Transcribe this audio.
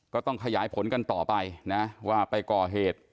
ก็ต้องขยายผลกันต่อไปนะว่าไปก่อเหตุ